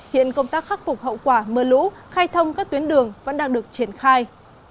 hiện công tác khắc phục hậu quả mưa lũ khai thông các tuyến đường vẫn đang được triển khai